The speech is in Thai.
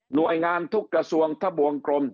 โดยงานทุกกระทรวงทะบวงกลม